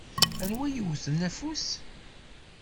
Anwa i yewwten afus?